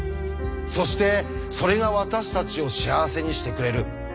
そしてそれが私たちを幸せにしてくれる。